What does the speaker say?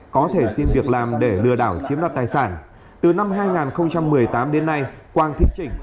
có thể xin việc làm để lừa đảo chiếm đoạt tài sản từ năm hai nghìn một mươi tám đến nay quang thiết trịnh